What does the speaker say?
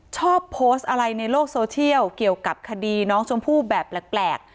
โพสต์อะไรในโลกโซเชียลเกี่ยวกับคดีน้องชมพู่แบบแปลก